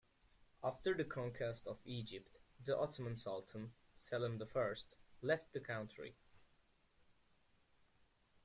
After the conquest of Egypt, the Ottoman Sultan Selim the First left the country.